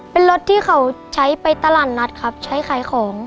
เป็นรถที่เขาใช้ไปตลาดนัดครับใช้ขายของ